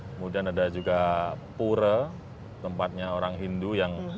kemudian ada juga pura tempatnya orang hindu yang